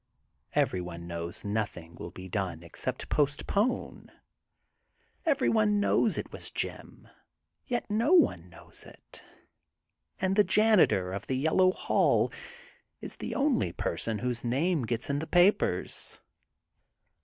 Everyone knows nothing will be done except postpone. Everyone knows it was Jim, yet no one knows it, and the Janitor of the Yellow Hall is the only person whose name gets into the papers.